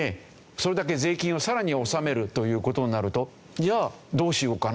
それだけ税金を更に納めるという事になるとじゃあどうしようかな？